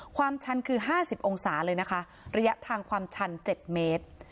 ความชันคือ๕๐องศาเลยนะคะระยะทางความชัน๗เมตร